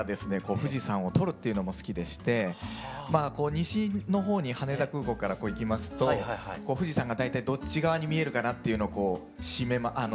富士山を撮るっていうのも好きでして西の方に羽田空港から行きますと富士山が大体どっち側に見えるかなっていうのを調べまして。